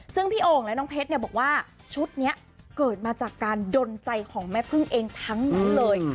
ซึ่งพี่โอ่งและน้องเพชรบอกว่าชุดนี้เกิดมาจากการดนใจของแม่พึ่งเองทั้งนั้นเลย